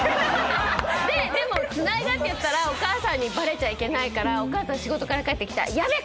でもつないだってお母さんにバレちゃいけないからお母さん仕事から帰ってきたら「ヤベえ！？